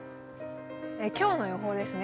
今日の予報ですね。